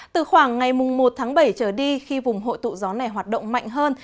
từ khoảng ngày một tháng bảy trở đi khi vùng hội tụ gió này hoạt động mạnh hơn